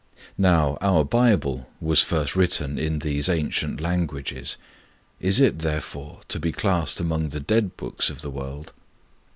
Now, our Bible was first written in these ancient languages: is it, therefore, to be classed among the 'dead' books of the world?